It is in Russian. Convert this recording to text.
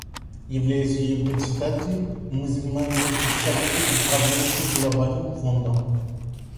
Являясь ее Председателем, мы занимаем место в Совете управляющих Глобальным фондом.